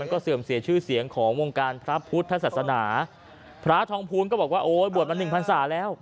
ก็เสื่อมเสียชื่อเสียงของวงการพระพุทธศาสนาพระทองภูลก็บอกว่าโอ้ยบวชมาหนึ่งพันศาแล้ว